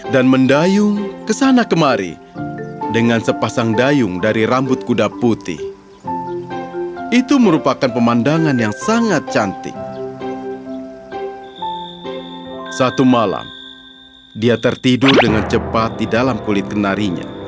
dan dia membuatkan ayunan dari kulitnya